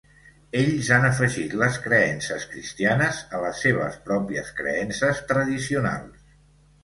Ells han afegit les creences cristianes a les seves pròpies creences tradicionals.